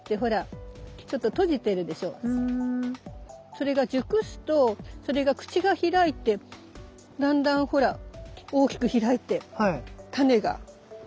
それが熟すとそれが口が開いてだんだんほら大きく開いてタネがてんこ盛りになっちゃう。